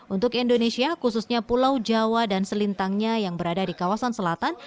untuk indonesia khususnya pulau jawa dan selintangnya yang berada di kawasan selatan